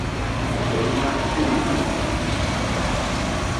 Tɔ̀ímá téèlì.